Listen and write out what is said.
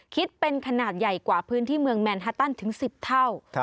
คิดเป็นขนาดใหญ่กว่าพื้นที่เมืองแมนฮาตันถึง๑๐เท่า